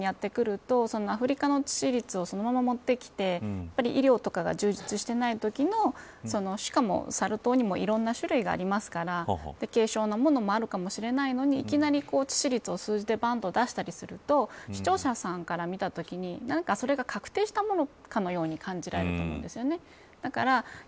自分たちの所にやって来るとアフリカの致死率をそのまま持ってきて医療とかが充実していないときのしかもサル痘にもいろんな種類がありますから軽症のものもあるかもしれないのにいきなり致死率を数字でばんと出したりすると視聴者さんから見たときにそれが確定したものかのように感じられると思うんです。